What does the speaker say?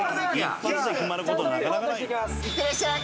いってらっしゃい。